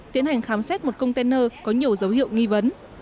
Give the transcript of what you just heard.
tiến hành khám xét một container có nhiều dấu hiệu nghi vấn